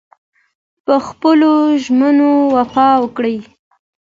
په خپلو ژمنو وفا وکړئ.